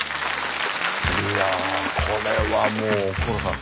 いやこれはもう高良さん